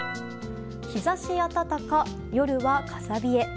日差し暖か、夜は風冷え。